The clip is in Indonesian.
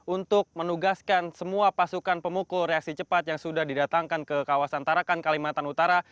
untuk menugaskan semua pasukan pemukul reaksi cepat yang sudah didatangkan ke kawasan tarakan kalimantan utara